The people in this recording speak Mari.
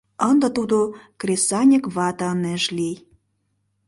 Ынде тудо кресаньык вате ынеж лий